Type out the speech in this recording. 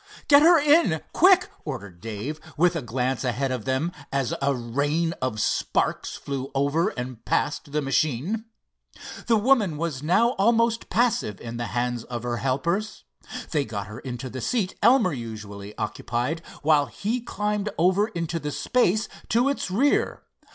"Get her in, quick!" ordered Dave, with a glance ahead of them as a rain of sparks flew over and past the machine. The woman was now almost passive in the hands of her helpers. They got her into the seat Elmer usually occupied, while he climbed over into the space to its rear.